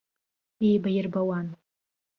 Еибаирбауан.